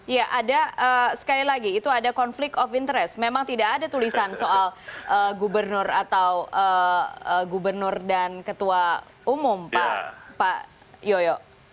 ya ada sekali lagi itu ada konflik of interest memang tidak ada tulisan soal gubernur atau gubernur dan ketua umum pak yoyo